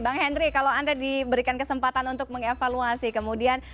bang henry kalau anda diberikan kesempatan untuk mengevaluasi kemudian